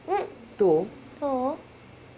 どう？